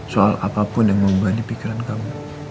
soal apapun yang membuat dipikiran kamu